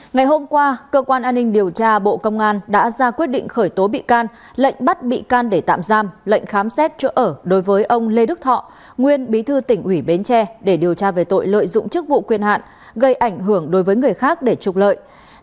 ngày hôm qua cơ quan an ninh điều tra bộ công an đã ra quyết định khởi tố bị can lệnh bắt bị can để tạm giam lệnh khám xét chỗ ở đối với ông lê đức thọ nguyên bí thư tỉnh ủy bến tre để điều tra về tội lợi dụng chức vụ quyền hạn gây ảnh hưởng đối với người khác để trục lợi